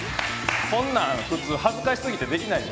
こんなん普通恥ずかしすぎてできない。